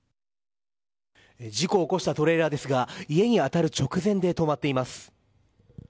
事故を起こしたトレーラーですが家に当たる直前で止まっています。